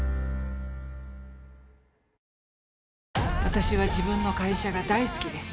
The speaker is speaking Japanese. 私は自分の会社が大好きです。